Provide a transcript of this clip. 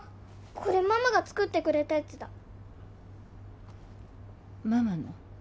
これママが作ってくれたやつだママの？